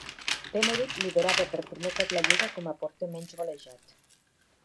Benedict liderava per primer cop la lliga com a porter menys golejat.